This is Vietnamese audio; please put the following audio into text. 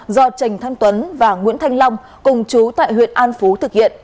do trần thăng tuấn và nguyễn thanh long cùng chú tại huyện an phú